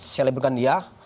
saya label kan dia